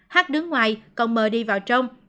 h đứng ngoài còn m đi vào trong